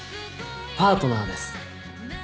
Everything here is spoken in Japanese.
パートナーです。